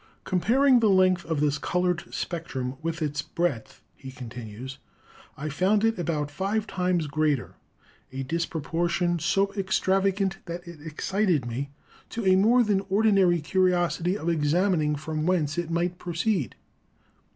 "Comparing the length of this colored spectrum with its breadth," he continues, "I found it about five times greater — a disproportion so extrava gant that it excited me to a more than ordinary curiosity of examining from whence it might proceed.